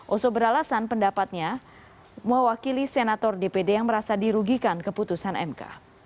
oso beralasan pendapatnya mewakili senator dpd yang merasa dirugikan keputusan mk